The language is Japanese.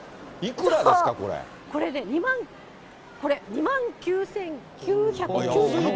これね、２万９９９８円。